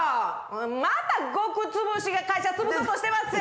また穀潰しが会社潰そうとしてまっせ。